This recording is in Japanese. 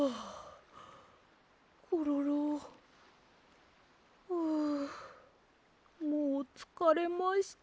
コロロ？はあもうつかれました。